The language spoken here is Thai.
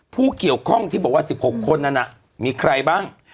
ผู้เกี่ยวข้องที่บอกว่า๑๖คนนั้นมีใครบ้าง